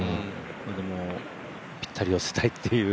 でもぴったり寄せたいっていう。